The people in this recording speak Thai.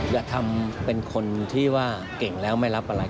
อย่าทำเป็นคนที่ว่าเก่งแล้วไม่รับอะไร